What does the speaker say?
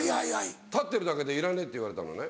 立ってるだけで「いらねえ」って言われたのね。